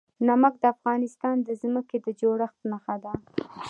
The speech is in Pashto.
نمک د افغانستان د ځمکې د جوړښت نښه ده.